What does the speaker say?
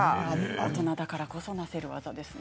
大人だからこそ成せる技ですね。